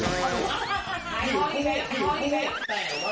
เขาก็โรงไม้ค่ะ